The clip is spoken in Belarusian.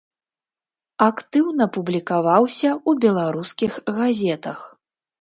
Актыўна публікаваўся ў беларускіх газетах.